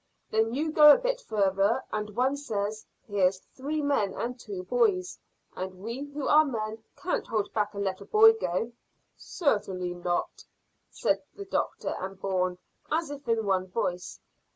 Then you go a bit further and one says, here's three men and two boys, and we who are men can't hold back and let a boy go." "Certainly not," said the doctor and Bourne, as if in one voice.